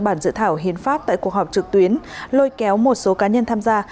bản dự thảo hiến pháp tại cuộc họp trực tuyến lôi kéo một số cá nhân tham gia